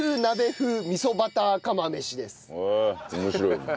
面白いね。